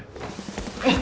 えっ？